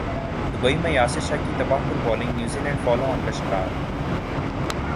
Dubai میں یاسر شاہ کی تباہ کن bowling New Zealand follow on کا شکار